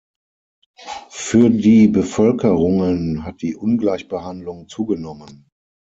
Für die Bevölkerungen hat die Ungleichbehandlung zugenommen.